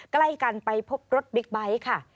ใกล้กันไปพบรถบิ๊กไบท์ค่ะ